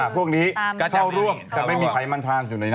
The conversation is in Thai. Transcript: พวกนี้เข้าร่วมจะไม่มีใครมั่นทานอยู่ในนั้น